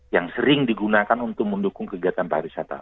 yang sering digunakan untuk mendukung kegiatan pariwisata